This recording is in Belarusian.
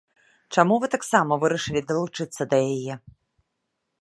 Чаму вы таксама вырашылі далучыцца да яе?